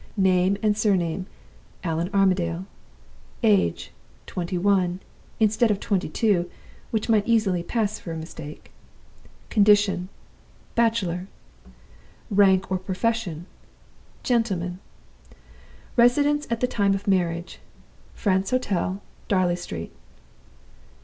'Name and Surname' Allan Armadale. 'Age' twenty one, instead of twenty two, which might easily pass for a mistake. 'Condition' Bachelor. 'Rank or profession' Gentleman. 'Residence at the time of Marriage' Frant's Hotel, Darley Street.